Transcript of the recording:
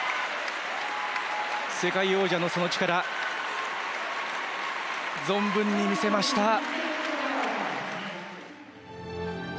世界王者のその力存分に見せました。